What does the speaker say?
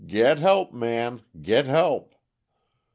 'Git help, Man, git help.'